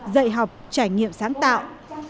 dạy học trải nghiệm sáng tạo